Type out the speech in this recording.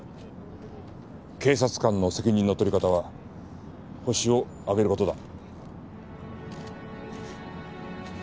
警察官の責任の取り方はホシを挙げる事だ。